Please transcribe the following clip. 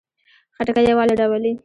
خټکی یووالی راولي.